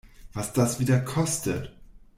Was das wieder kostet!